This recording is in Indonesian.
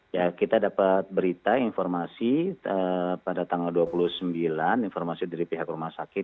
ya kita dapat berita informasi pada tanggal dua puluh sembilan informasi dari pihak rumah sakit